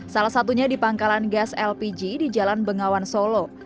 salah satunya di pangkalan gas lpg di jalan bengawan solo